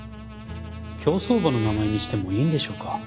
競走馬の名前にしてもいいんでしょうか？